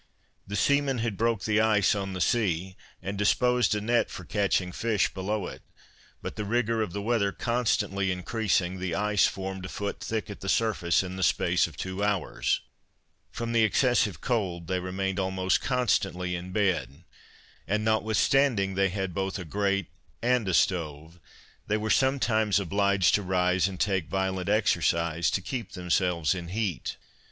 The seamen had broke the ice on the sea, and disposed a net for catching fish below it; but the rigour of the weather constantly increasing, the ice formed a foot thick at the surface in the space of two hours. From the excessive cold, they remained almost constantly in bed, and, notwithstanding they had both a grate and a stove, they were sometimes obliged to rise and take violent exercise to keep themselves in heat.